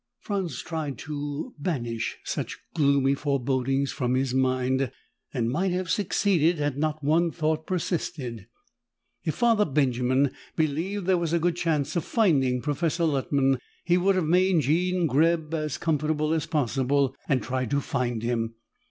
Franz tried to banish such gloomy forebodings from his mind and might have succeeded had not one thought persisted. If Father Benjamin believed there was a good chance of finding Professor Luttman, he would have made Jean Greb as comfortable as possible and tried to find him.